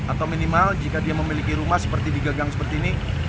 atau minimal jika dia memiliki rumah seperti digagang seperti ini